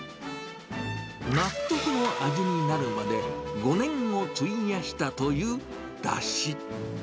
納得の味になるまで、５年を費やしたというだし。